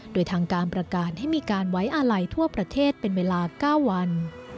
โดยทางการประกาศให้มีการไว้อาลัยทั่วประเทศเป็นเวลา๙วัน